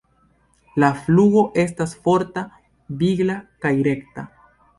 La flugo estas forta, vigla kaj rekta.